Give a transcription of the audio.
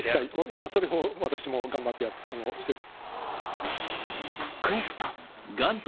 今それを私も頑張ってしてる。